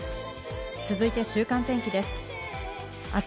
続いて週間天気です。